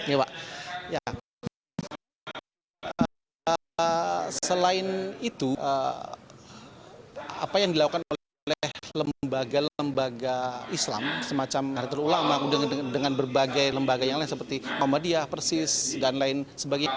ya selain itu apa yang dilakukan oleh lembaga lembaga islam semacam nahdlatul ulama dengan berbagai lembaga yang lain seperti muhammadiyah persis dan lain sebagainya